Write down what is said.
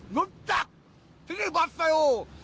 รู้จักที่นี่บอสเฟล